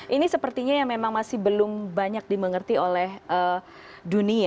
ini sepertinya yang memang masih belum banyak dimengerti oleh dunia